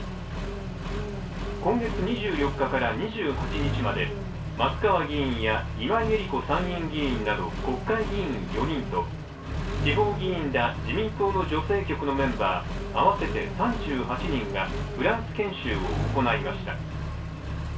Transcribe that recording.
今月２４日から２８日まで松川議員や今井絵理子参議院議員など、国会議員４人と地方議員ら自民党の女性局のメンバー合わせて３８人がフランス研修を行いました。